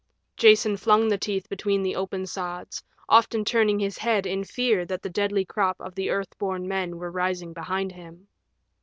Jason flung the teeth between the open sods, often turning his head in fear that the deadly crop of the Earth born Men were rising behind him.